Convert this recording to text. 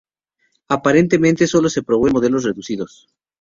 Aparentemente sólo se probó en modelos reducidos.